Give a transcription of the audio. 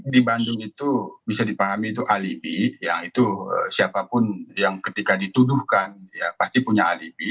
di bandung itu bisa dipahami itu alibi ya itu siapapun yang ketika dituduhkan ya pasti punya alibi